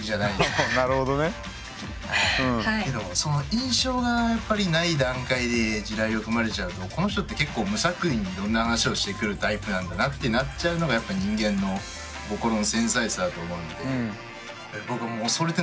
印象がやっぱりない段階で地雷を踏まれちゃうとこの人って結構無作為にいろんな話をしてくるタイプなんだなってなっちゃうのが人間の心の繊細さだと思うのでビビり